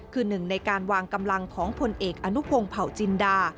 คือหนึ่งในการวางกำลังของผลเอกอนุพงศ์เผาจินดา